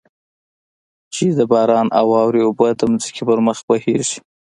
چې د باران او واورې اوبه د ځمکې پر مخ بهېږي.